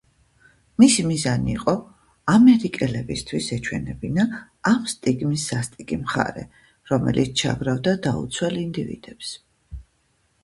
მისი მიზანი იყო, ამერიკელებისთვის ეჩვენებინა ამ სტიგმის სასტიკი მხარე, რომელიც ჩაგრავდა დაუცველ ინდივიდებს.